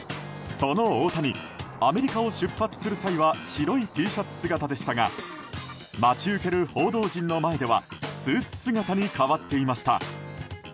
その大谷アメリカを出発する際は白いＴシャツ姿でしたが待ち受ける報道陣の前ではスーツ姿に変わっていました。